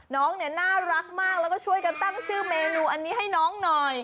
น้องเนี่ยน่ารักมากแล้วก็ช่วยกันตั้งชื่อเมนูอันนี้ให้น้องหน่อย